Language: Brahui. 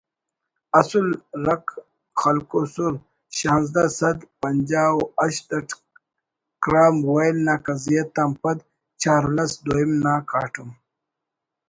اسُل رکھ خلکوسر شانزدہ سد پنجا و ہشت اٹ کرام ویل نا کزیت آن پد چارلس دوئم نا کاٹم